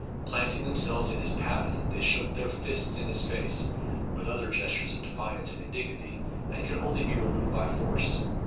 Planting themselves in his path, they shook their fists in his face, with other gestures of defiance and indignity, and could only be removed by force.